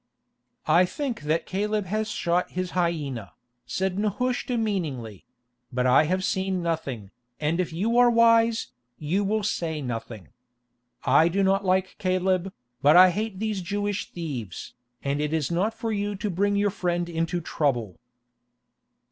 "I think that Caleb has shot his hyena," said Nehushta meaningly; "but I have seen nothing, and if you are wise, you will say nothing. I do not like Caleb, but I hate these Jewish thieves, and it is not for you to bring your friend into trouble."